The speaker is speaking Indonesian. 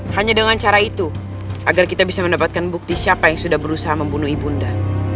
hanya dengan cara itu agar kita bisa mendapatkan bukti siapa yang sudah berusaha membunuh ibunda